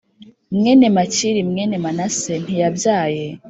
Mwene makiri mwene manase ntiyabyaye